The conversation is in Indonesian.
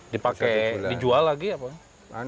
dipakai dijual lagi apa